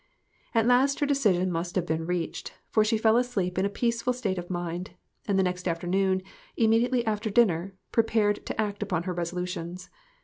At last her decision must have been reached, for she fell asleep in a peaceful state of mind, and the next afternoon, immediately after dinner, pre pared to act upon her resolutions.